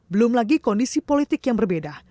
belum lagi kondisi politik yang berbeda